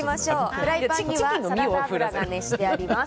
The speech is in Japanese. フライパンにはサラダ油が熱してあります。